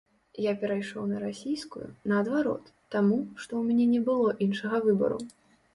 Я перайшоў на расійскую, наадварот, таму, што ў мяне не было іншага выбару.